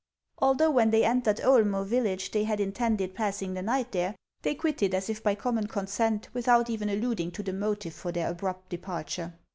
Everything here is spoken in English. Although when they entered Oe'lmce village they had intended passing the night there, they quitted it, as if by common consent, without even alluding to the motive for their abrupt departure.